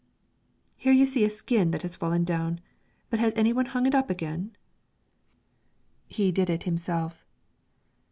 "Here you see a skin that has fallen down; but has any one hung it up again?" He did it himself.